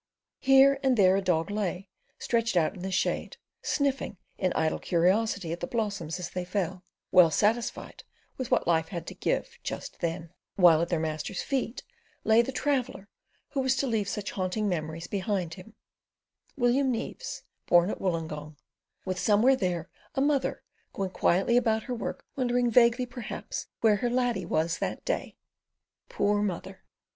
Here and there a dog lay, stretched out in the shade, sniffing in idle curiosity at the blossoms as they fell, well satisfied with what life had to give just then; while at their master's feet lay the traveller who was to leave such haunting memories behind him: William Neaves, born at Woolongong, with somewhere there a mother going quietly about her work, wondering vaguely perhaps where her laddie was that day. Poor mother!